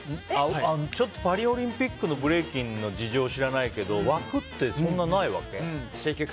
パリオリンピックのブレイキンの事情を知らないけど枠って、そんなにないわけ？